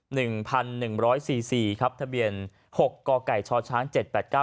หนึ่งพันหนึ่งร้อยสี่สี่ครับทะเบียนหกกชช้างเจ็ดแปดเก้า